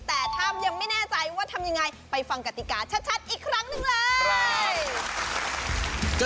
แต่ถ้ายังไม่แน่ใจว่าทำยังไงไปฟังกติกาชัดอีกครั้งหนึ่งเลย